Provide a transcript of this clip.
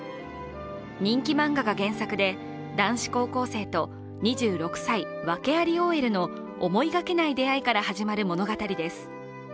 人気マンガが原作で、男子高校生と２６歳、訳ありＯＬの思いがけない出会いから始まる物語です。